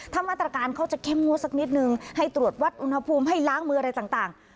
ถ้ามาตรการเขาจะเข้มงวดสักนิดนึงให้ตรวจวัดอุณหภูมิให้ล้างมืออะไรต่าง